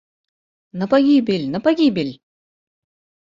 На пагібель, на пагібель!